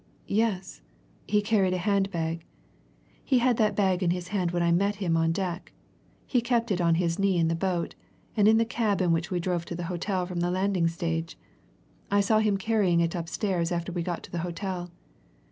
"Yes, he carried a hand bag. He had that bag in his hand when I met him on deck; he kept it on his knee in the boat, and in the cab in which we drove to the hotel from the landing stage; I saw him carrying it upstairs after we got to the hotel.